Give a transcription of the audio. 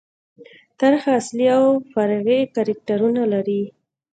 طرحه اصلي او فرعي کرکټرونه لري.